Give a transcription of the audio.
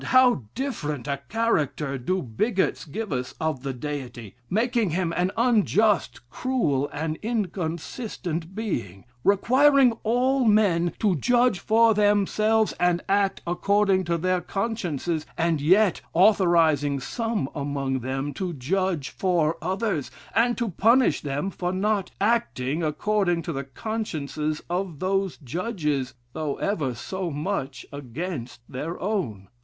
how different a character do bigots give us of the Deity, making him an unjust, cruel, and inconsistent Being; requiring all men to judge for themselves, and act according to their consciences; and yet authorizing some among them to judge for others, and to punish them for not acting according to the consciences of those judges, though ever so much against their own.